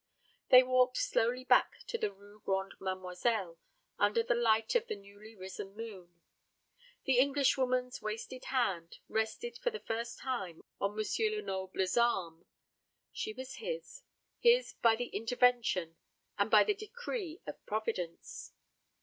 They walked slowly back to the Rue Grande Mademoiselle under the light of the newly risen moon. The Englishwoman's wasted hand rested for the first time on M. Lenoble's arm. She was his his by the intervention and by the decree of Providence!